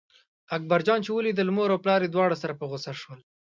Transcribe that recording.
اکبر جان چې ولیدل مور او پلار یې دواړه سره په غوسه شول.